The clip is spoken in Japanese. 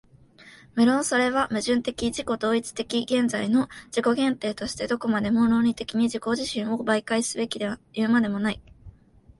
無論それは矛盾的自己同一的現在の自己限定としてどこまでも論理的に自己自身を媒介すべきはいうまでもない。